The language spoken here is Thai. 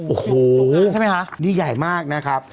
โอ้โหใช่ไหมคะนี่ใหญ่มากนะครับ